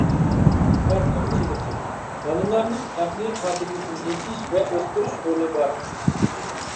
ئارتۇقچىلىقى: بالىلارنىڭ ئەقلى قابىلىيىتىنى ئېچىش ۋە ئۆستۈرۈش رولى بار.